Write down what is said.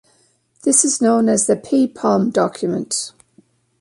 This is known as the Paypom document.